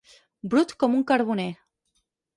Brut com un carboner.